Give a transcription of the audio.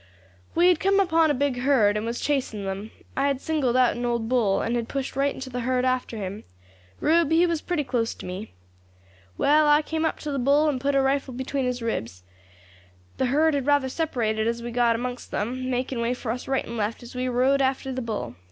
"We had come upon a big herd, and was chasing them. I had singled out an old bull, and had pushed right into the herd after him; Rube, he was pretty close to me. Well, I came up to the bull, and put a rifle ball between his ribs. The herd had rather separated as we got amongst them, making way for us right and left as we rode after the bull.